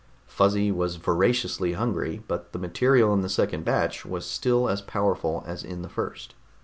Fuzzy was voraciously hungry, but the material in the second batch was still as powerful as in the first.